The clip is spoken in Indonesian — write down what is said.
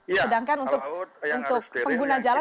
sedangkan untuk pengguna jalan masih bisa menggunakan jembatan